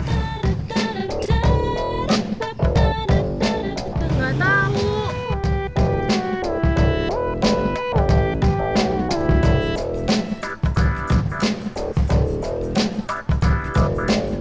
upnaire yang memerlukan tane dan bagian lamub